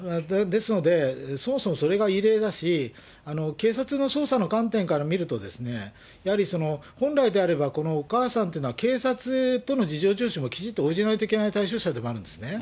ですので、そもそもそれが異例だし、警察の捜査の観点から見ると、やはり本来であれば、このお母さんっていうのは、警察との事情聴取もきちっと応じないといけない対象者でもあるんですね。